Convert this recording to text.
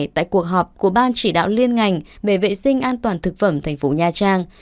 tại cuộc họp của ban chỉ đạo liên ngành về vệ sinh an toàn thực phẩm tp nha trang